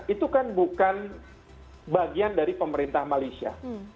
itu kan bukan bagian dari pemerintah malaysia